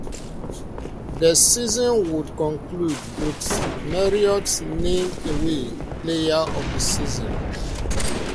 The season would conclude with Marriott named Away Player of the Season.